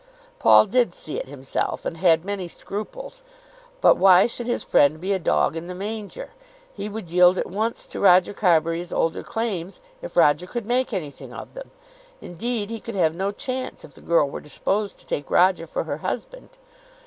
Paul did see it himself, and had many scruples. But why should his friend be a dog in the manger? He would yield at once to Roger Carbury's older claims if Roger could make anything of them. Indeed he could have no chance if the girl were disposed to take Roger for her husband.